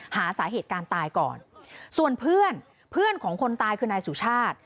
หาสาเหตุการตายก่อนส่วนเพื่อนเพื่อนของคนตายคือนายสุชาติ